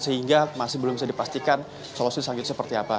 sehingga masih belum bisa dipastikan solusi selanjutnya seperti apa